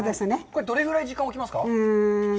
どれぐらい時間を置きますか。